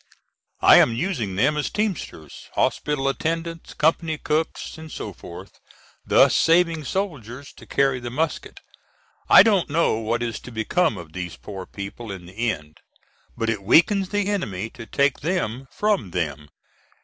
I am using them as teamsters, hospital attendants, company cooks and so forth, thus saving soldiers to carry the musket. I don't know what is to become of these poor people in the end, but it weakens the enemy to take them from them.